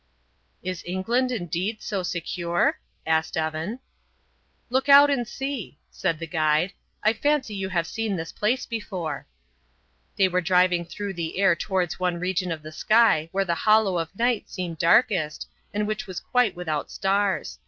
"Is England, indeed, so secure?" asked Evan. "Look out and see," said the guide. "I fancy you have seen this place before." They were driving through the air towards one region of the sky where the hollow of night seemed darkest and which was quite without stars.